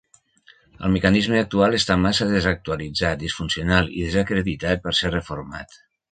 El mecanisme actual està massa desactualitzat, disfuncional i desacreditat per ser reformat.